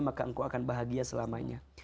maka engkau akan bahagia selamanya